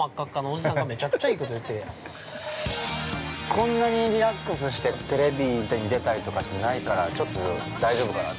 こんなにリラックスしてテレビに出たりとかってないからちょっと大丈夫かなって。